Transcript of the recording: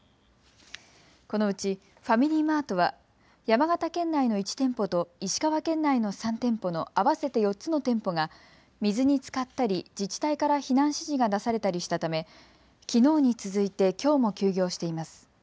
このうちファミリーマートは山形県内の１店舗と石川県内の３店舗の合わせて４つの店舗が水につかったり自治体から避難指示が出されたりしたためきのうに続いてきょうも休業しています。